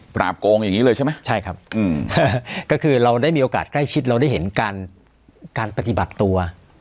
โกงอย่างนี้เลยใช่ไหมใช่ครับก็คือเราได้มีโอกาสใกล้ชิดเราได้เห็นการการปฏิบัติตัว